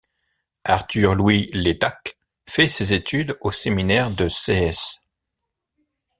Arthur-Louis Letacq fait ses études au séminaire de Sées.